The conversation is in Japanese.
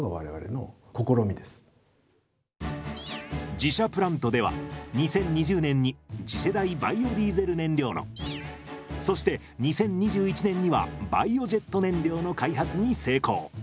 自社プラントでは２０２０年に次世代バイオディーゼル燃料のそして２０２１年にはバイオジェット燃料の開発に成功！